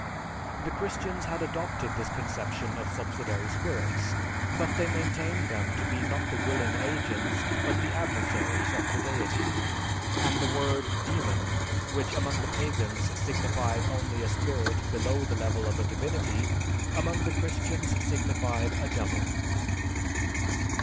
The Christians had adopted this conception of subsidiary spirits, but they maintained them to be not the willing agents, but the adversaries of the Deity; and the word demon, which among the pagans, signified only a spirit below the level of a Divinity, among the Christians signified a devil."